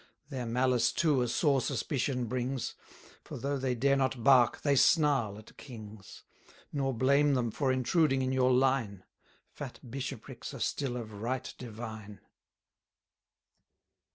Their malice too a sore suspicion brings; For though they dare not bark, they snarl at kings: 170 Nor blame them for intruding in your line; Fat bishoprics are still of right divine.